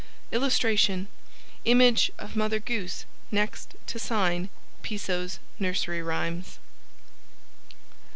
[Illustration: Image of Mother Goose next to sign, "Piso's Nursery Rhymes".